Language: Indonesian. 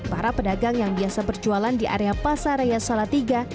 para pedagang yang biasa berjualan di area pasar raya salatiga